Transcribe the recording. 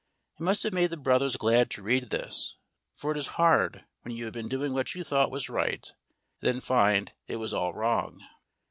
It must have made the brothers glad to read this, for it is hard when you have been doing what you thought was right, and then find it was all wrong.